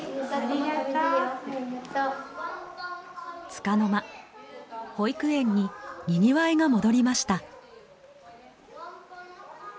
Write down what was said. つかの間保育園ににぎわいが戻りました。